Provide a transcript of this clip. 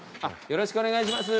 よろしくお願いします。